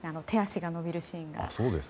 手足が伸びるシーンが。